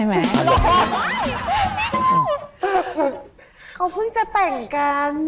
เขาเพิ่งจะแต่งกัน